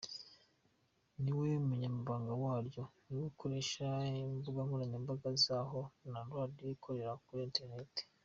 Ni we munyamabanga waryo, niwe ukoresha imbuga nkoranyambaga zabo na radiyo ikorera kuri internet.